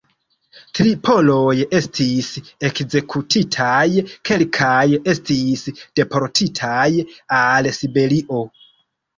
Tri poloj estis ekzekutitaj, kelkaj estis deportitaj al Siberio.